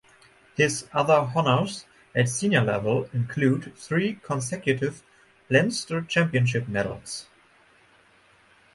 His other honours at senior level include three consecutive Leinster Championship medals.